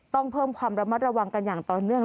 ต้องเพิ่มความระมัดระวังกันอย่างต่อเนื่อง